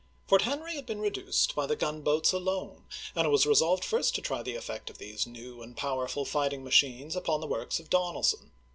Fort Henry had been reduced by the gunboats alone, and it was resolved first to try the effect of these new and powerful fighting machines upon the works of Donelson.